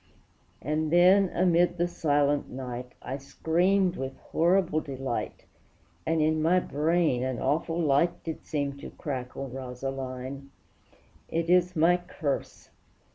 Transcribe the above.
And then, amid the silent night, I screamed with horrible delight, And in my brain an awful light Did seem to crackle, Rosaline! It is my curse!